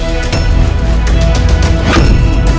tidak ada yang bisa dihukum